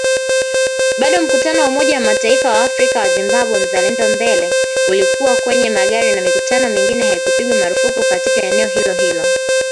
Bado mkutano wa Umoja wa mataifa wa Afrika wa Zimbabwe Mzalendo Mbele ulikuwa kwenye magari na mikutano mingine haikupigwa marufuku katika eneo hilo-hilo